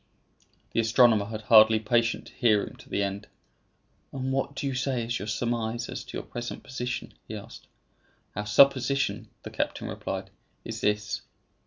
The astronomer had hardly patience to hear him to the end. "And what do you say is your surmise as to your present position?" he asked. "Our supposition," the captain replied, "is this.